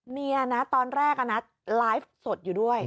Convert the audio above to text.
เมียนะตอนแรกไลฟ์สดอยู่ด้วย